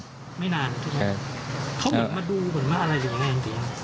เขาเหมือนมาดูเหมือนมาอะไรอย่างนั้นจริง